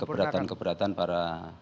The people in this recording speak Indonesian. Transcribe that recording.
dari keberatan keberatan para